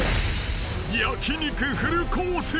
［焼き肉フルコース。